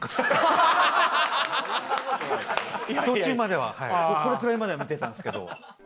途中まではこれくらいまでは見てたんですけど。